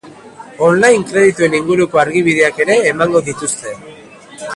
Online kredituen inguruko argibideak ere emango dituzte.